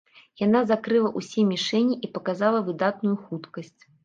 Яна закрыла ўсе мішэні і паказала выдатную хуткасць.